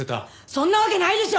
そんなわけないでしょ！